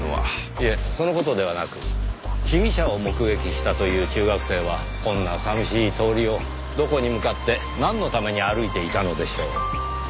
いえその事ではなく被疑者を目撃したという中学生はこんな寂しい通りをどこに向かってなんのために歩いていたのでしょう？